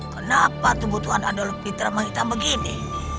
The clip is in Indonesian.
kenapa tubuh tuhan adalah lebih termahitam begini